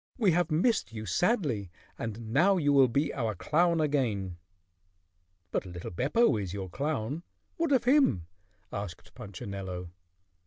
We have missed you sadly and now you will be our clown again." "But little Beppo is your clown. What of him?" asked Punchinello.